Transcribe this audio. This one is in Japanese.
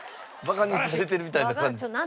バカにされてるみたいな感じ。